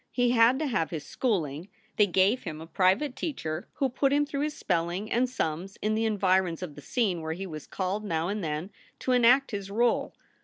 He had to have his schooling they gave him a private teacher who put him through his spelling and sums in the environs of the scene where he was called now and then to enact his role.